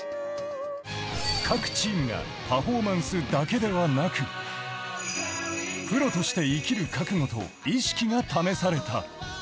各チームがパフォーマンスだけではなく、プロとして生きる覚悟と意識が試された。